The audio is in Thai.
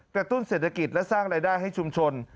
ตุ้นเศรษฐกิจและสร้างรายได้ให้ชุมชน